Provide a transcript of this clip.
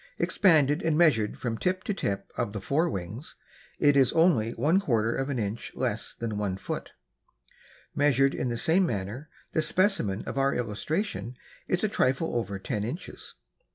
Expanded and measured from tip to tip of the fore wings, it is only one quarter of inch less than one foot. Measured in the same manner, the specimen of our illustration is a trifle over ten inches.